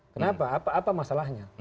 kenapa apa masalahnya